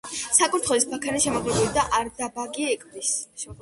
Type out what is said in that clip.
საკურთხევლის ბაქანი შემაღლებულია და არდაბაგი ეკვრის.